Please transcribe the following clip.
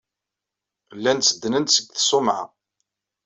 Llan tteddnen-d seg tṣumɛa.